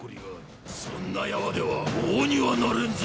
そんなやわでは王にはなれんぞ。